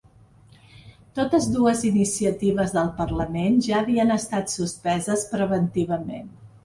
Totes dues iniciatives del parlament ja havien estat suspeses preventivament.